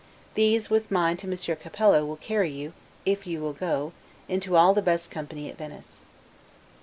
These, with mine to Monsieur Capello, will carry you, if you will go, into all the best company at Venice.